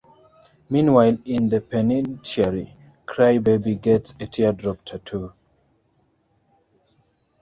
Meanwhile, in the penitentiary, Cry-Baby gets a teardrop tattoo.